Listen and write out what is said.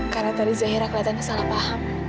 karena tadi zahira kelihatannya salah paham